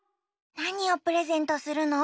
なにをプレゼントするの？